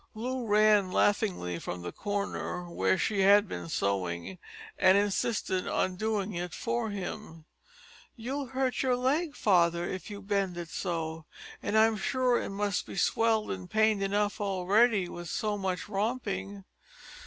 Loo ran laughingly from the corner where she had been sewing, and insisted on doing it for him. "You'll hurt your leg, father, if you bend it so, and I'm sure it must be swelled and pained enough already with so much romping."